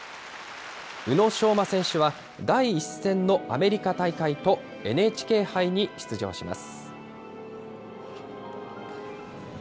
宇野昌磨選手は、第１戦のアメリカ大会と、ＮＨＫ杯に出場します。